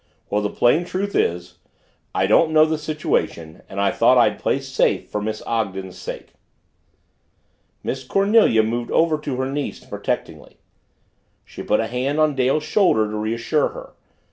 "Well, the plain truth is I didn't know the situation and I thought I'd play safe for Miss Ogden's sake." Miss Cornelia moved over to her niece protectingly. She put a hand on Dale's shoulder to reassure her.